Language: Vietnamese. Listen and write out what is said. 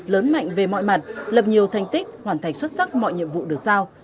lớn mạnh về mọi mặt lập nhiều thành tích hoàn thành xuất sắc mọi nhiệm vụ được giao